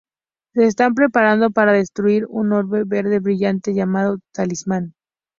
Se están preparando para destruir un orbe verde brillante llamado Talismán.